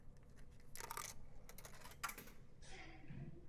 Pro komplexní posouzení situace ve společnosti je totiž třeba širší pohled.